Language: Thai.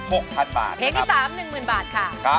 เพลงที่๓นึงหมื่นบาทค่ะ